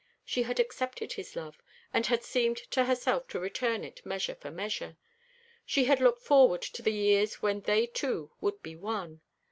She had accepted his love, and had seemed to herself to return it, measure for measure. She had looked forward to the years when they two would be one.